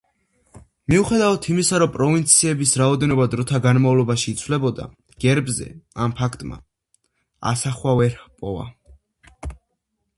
მიუხედავად იმისა, რომ პროვინციების რაოდენობა დროთა განმავლობაში იცვლებოდა, გერბზე ამ ფაქტმა ასახვა ვერ ჰპოვა.